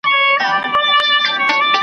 زه لکه سیوری بې اختیاره ځمه .